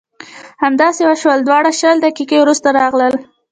همداسې وشول دواړه شل دقیقې وروسته راغلل.